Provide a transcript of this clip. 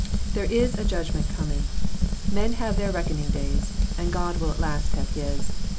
There is a judgment coming I Men have their reckon ing days, and God will at last have His.